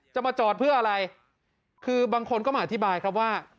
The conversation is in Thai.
จะมาจอดเพื่ออะไรคือบางคนก็มาอธิบายครับว่า